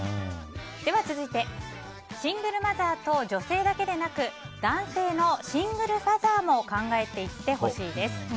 続いてシングルマザーと女性だけでなく男性のシングルファザーも考えていってほしいです。